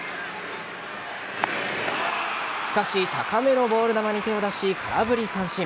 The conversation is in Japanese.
しかし高めのボール球に手を出し空振り三振。